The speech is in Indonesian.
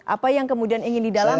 apa yang kemudian ingin didalami